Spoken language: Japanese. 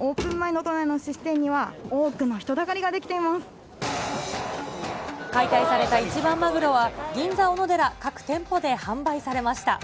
オープン前の都内のすし店には、解体された一番マグロは、銀座おのでら各店舗で販売されました。